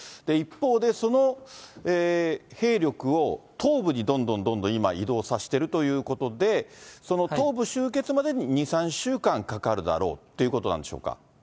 一方で、兵力を東部にどんどんどんどん、今移動させてるということで、東部集結までに２、３週間かかるだろうということなんでしょうか。